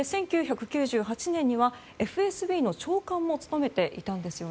１９９８年には、ＦＳＢの長官も務めていたんです。